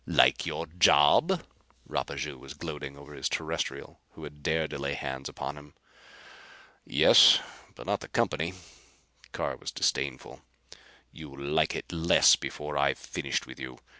"Like your job?" Rapaju was gloating over this Terrestrial who had dared to lay hands upon him. "Yes, but not the company." Carr was disdainful. "You'll like it less before I've finished with you.